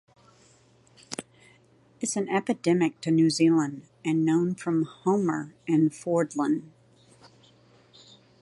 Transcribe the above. It is endemic to New Zealand and known from Homer in Fiordland.